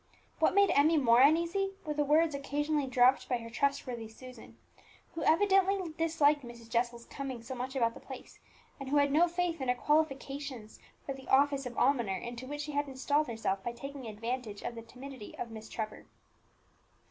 What made Emmie more uneasy were the words occasionally dropped by her trustworthy Susan, who evidently disliked Mrs. Jessel's coming so much about the place, and who had no faith in her qualifications for the office of almoner into which she had installed herself by taking advantage of the timidity of Miss Trevor.